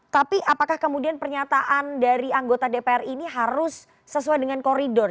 tapi apakah kemudian pernyataan dari anggota dpr ini harus sesuai dengan koridor